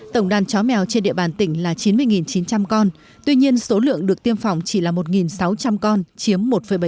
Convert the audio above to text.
tổng đàn chó mèo trên địa bàn tỉnh là chín mươi chín trăm linh con tuy nhiên số lượng được tiêm phòng chỉ là một sáu trăm linh con chiếm một bảy